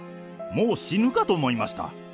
もう死ぬかと思いました。